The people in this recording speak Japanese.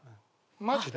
マジで？